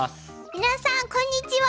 皆さんこんにちは。